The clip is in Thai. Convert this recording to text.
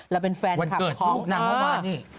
เราเป็นแฟนคลับของนางเขามานี่